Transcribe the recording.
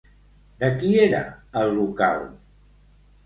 De qui era el local?